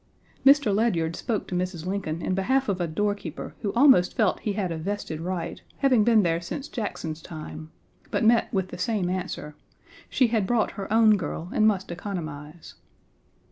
Mr. Ledyard spoke to Mrs. Lincoln in behalf of a doorkeeper who almost felt he had a vested right, having been there since Jackson's time; but met with the same answer; she had brought her own girl and must economize.